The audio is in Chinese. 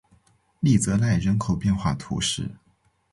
利泽赖人口变化图示